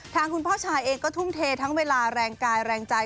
คุณพ่อชายเองก็ทุ่มเททั้งเวลาแรงกายแรงใจ